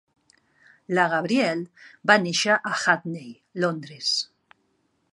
La Gabrielle va néixer a Hackney, Londres.